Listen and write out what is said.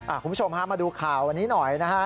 คุณผู้ชมฮะมาดูข่าวอันนี้หน่อยนะฮะ